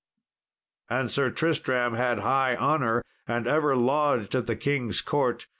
And Sir Tristram had high honour, and ever lodged at the king's court.